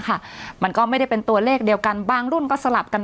มันก็ไม่ได้เป็นตัวเลขเดียวกันบางรุ่นก็สลับกัน